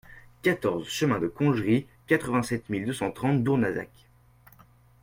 quatorze chemin des Congeries, quatre-vingt-sept mille deux cent trente Dournazac